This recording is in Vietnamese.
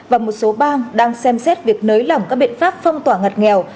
và một số bang đang xem xét việc nới lỏng các biện pháp phong tỏa ngặt nghèo